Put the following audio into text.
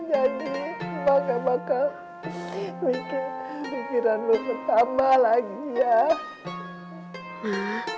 jadi bakal bakal mikir mikiran lu pertama lagi ya